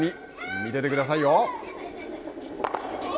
見ててくださいよ。